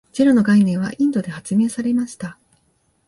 ゼロの概念はインドで発明されました。